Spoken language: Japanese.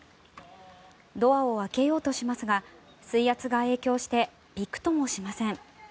ドアを開けようとしますが水圧が影響してびくともしません。